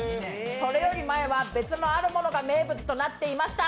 それより前はあるものが名物となっていました。